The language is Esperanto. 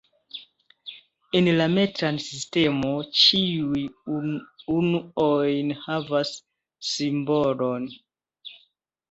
En la metra sistemo, ĉiuj unuoj havas "simbolon".